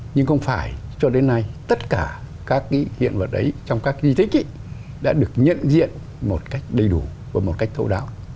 nhưng không phải cho đến nay tất cả các hiện vật ấy trong các di tích ấy đã được nhận diện một cách đầy đủ và một cách thấu đáo